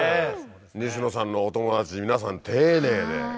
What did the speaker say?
西野さんのお友達皆さん丁寧で。